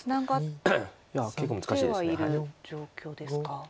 いや結構難しいです。